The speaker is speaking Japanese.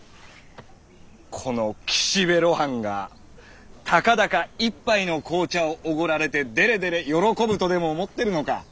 この岸辺露伴がたかだか一杯の紅茶を奢られてデレデレ喜ぶとでも思ってるのかッ